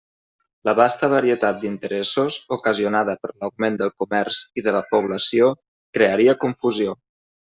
La vasta varietat d'interessos, ocasionada per l'augment del comerç i de la població, crearia confusió.